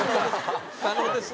可能です。